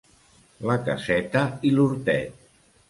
La caseta i l'hortet.